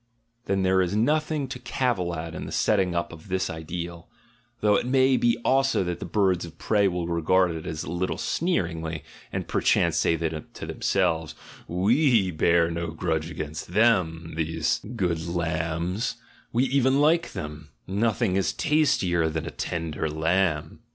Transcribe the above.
then there is nothing to cavil at in the setting up of this ideal, though it may also be that the birds of prey will regard it a little sneeringly, and per chance say to themselves, "We bear no grudge against them, these good lambs, we even like them: nothing is tastier than a tender lamb."